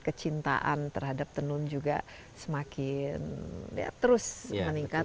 kecintaan terhadap tenun juga semakin ya terus meningkat